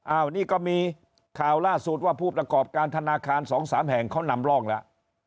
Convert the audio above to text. อันนี้ก็มีข่าวล่าสุดว่าผู้ประกอบการธนาคาร๒๓แห่งเขานำร่องแล้ว